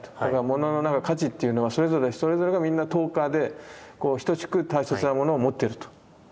モノのなんか価値っていうのはそれぞれそれぞれがみんな等価で等しく大切なものを持ってると。